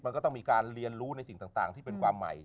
มันก็ต้องมีการเรียนรู้ในสิ่งต่างที่เป็นความใหม่